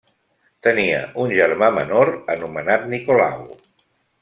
Tenia un germà menor anomenat Nicolau.